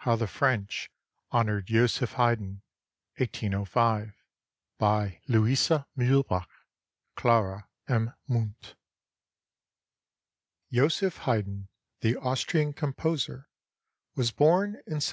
HOW THE FRENCH HONORED JOSEPH HAYDN BY " LOUISA MUHLBACH" (kLARA M. MUNDt) [Joseph Haydn, the Austrian composer, was born in 1737.